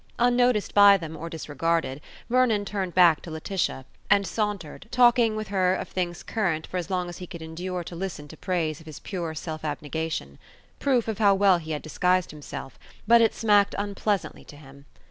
Unnoticed by them or disregarded, Vernon turned back to Laetitia, and sauntered, talking with her of things current for as long as he could endure to listen to praise of his pure self abnegation; proof of how well he had disguised himself, but it smacked unpleasantly to him.